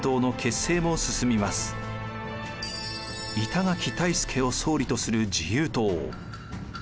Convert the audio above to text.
板垣退助を総理とする自由党。